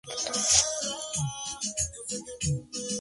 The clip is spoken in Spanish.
En tiempos pasados se pensó que la pirámide era la tumba de Remo.